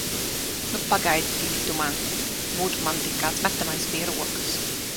Nu, pagaidi tik tu man! Būtu man tik kāds metamais pie rokas!